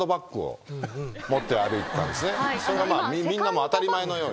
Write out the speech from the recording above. それがみんな当たり前のように。